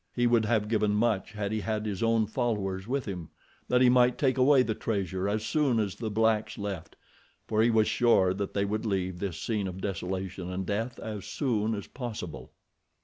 He would have given much had he had his own followers with him, that he might take away the treasure as soon as the blacks left, for he was sure that they would leave this scene of desolation and death as soon as possible.